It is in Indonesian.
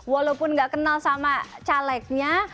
walaupun nggak kenal sama calegnya